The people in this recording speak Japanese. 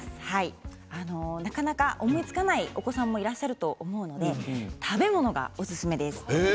なかなか思いつかないお子さんもいらっしゃると思いますけど食べ物がおすすめです。